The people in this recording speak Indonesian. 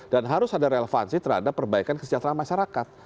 dan harus ada relevansi terhadap perbaikan kesejahteraan masyarakat